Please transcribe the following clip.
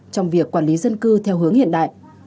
trong việc quản lý dân cư theo hướng hiện đại